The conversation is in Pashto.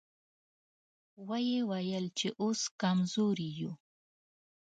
ويې ويل چې اوس کمزوري يو.